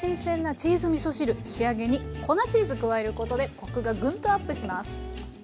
仕上げに粉チーズ加えることでコクがグンとアップします。